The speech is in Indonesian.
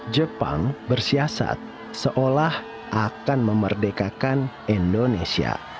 jepang bersiasat seolah akan memerdekakan indonesia